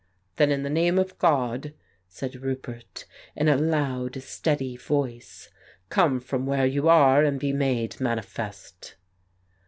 "Then in the name of God," said Roupert, in a loud, steady voice, "come from where you are, and be made manifest."